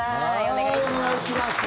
お願いします。